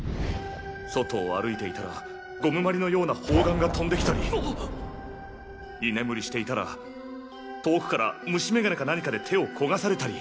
外を歩いていたらゴムまりのような砲丸が飛んできたり居眠りしていたら遠くから虫眼鏡か何かで手を焦がされたり。